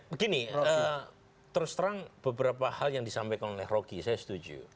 begini terus terang beberapa hal yang disampaikan oleh rocky saya setuju